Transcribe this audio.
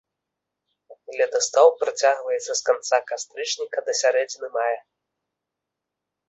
Ледастаў працягваецца з канца кастрычніка да сярэдзіны мая.